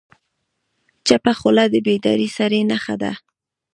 چپه خوله، د بیدار سړي نښه ده.